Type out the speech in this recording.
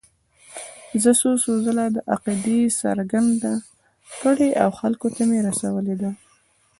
زه څو څو ځله دا عقیده څرګنده کړې او خلکو ته مې رسولې ده.